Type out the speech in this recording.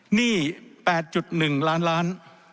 หนี้๘๑ล้านล้าน